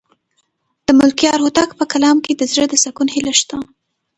د ملکیار هوتک په کلام کې د زړه د سکون هیله شته.